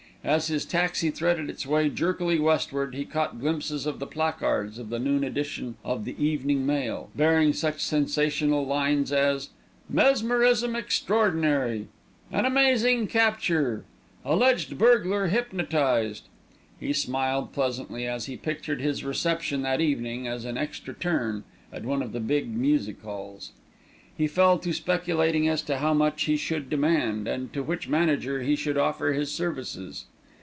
As his taxi threaded its way jerkily westward, he caught glimpses of the placards of the noon edition of The Evening Mail, bearing such sensational lines as: MESMERISM EXTRAORDINARY AN AMAZING CAPTURE ALLEGED BURGLAR HYPNOTISED He smiled pleasantly as he pictured his reception that evening, as an extra turn, at one of the big music halls. He fell to speculating as to how much he should demand, and to which manager he should offer his services.